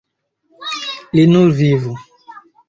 Li nur vivu.